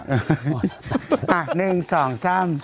๑๓สวัสดีครับ